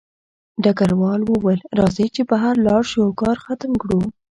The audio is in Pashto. ډګروال وویل راځئ چې بهر لاړ شو او کار ختم کړو